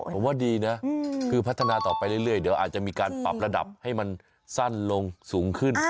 ผมว่าดีนะคือพัฒนาต่อไปเรื่อยเดี๋ยวอาจจะมีการปรับระดับให้มันสั้นลงสูงขึ้น